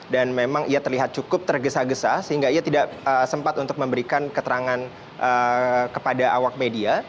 dan memang ia terlihat cukup tergesa gesa sehingga ia tidak sempat untuk memberikan keterangan kepada awak media